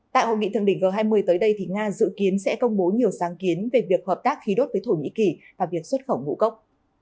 tại hội nghị thượng đỉnh g hai mươi tới đây thì nga dự kiến sẽ công bố nhiều sáng kiến về việc hợp tác khí đốt với thổ nhĩ kỳ và việc xuất khẩu ngũ cốc